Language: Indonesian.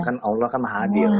kan allah kan mahadil